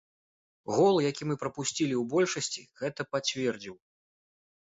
Гол, які мы прапусцілі ў большасці, гэта пацвердзіў.